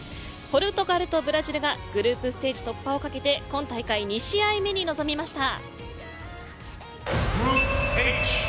ポルトガルとブラジルがグループステージ突破を懸けて今大会２試合目に臨みました。